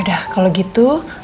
yaudah kalo gitu